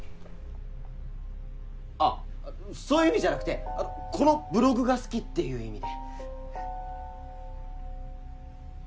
あっそういう意味じゃなくてこのブログが好きっていう意味で。